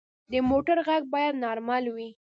د موټر غږ باید نارمل وي.